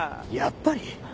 やっぱり？